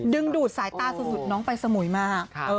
ดึงดูดสายตาสุดน้องไปสมุยมาก